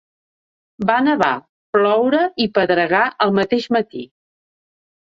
Va nevar, ploure i pedregar el mateix matí.